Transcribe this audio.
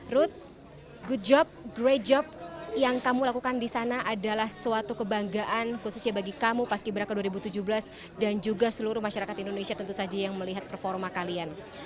ruth good job great job yang kamu lakukan di sana adalah suatu kebanggaan khususnya bagi kamu paski beraka dua ribu tujuh belas dan juga seluruh masyarakat indonesia tentu saja yang melihat performa kalian